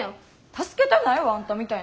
助けたないわあんたみたいなん。